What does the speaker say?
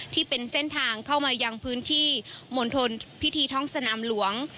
ที่เป็นเส้นทางเข้ามายังพื้นที่มณฑลพิธีท้องสนามหลวง